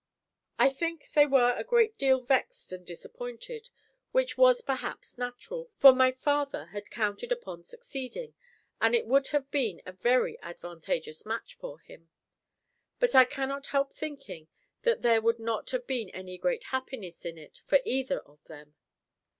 I think they were a great deal vexed and disappointed, which was perhaps natural, for my father had counted upon succeeding, and it would have been a very advantageous match for him; but I cannot help thinking that there would not have been any great happiness in it for either of them.